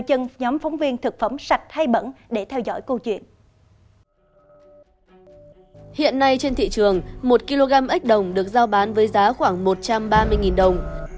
hiện nay trên thị trường một kg ếch đồng được giao bán với giá khoảng một trăm ba mươi đồng